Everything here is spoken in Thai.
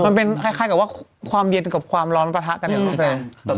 มันเป็นคล้ายกับว่าความเย็นกับความร้อนปะทะกันอย่างรุนแรง